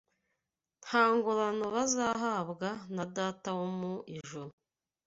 nta ngororano bazahabwa na Data wo mu ijuru.